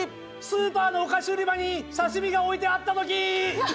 スーパーのお菓子売り場に刺身が置いてあったときー。